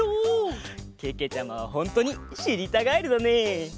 けけちゃまはほんとにしりたガエルだね！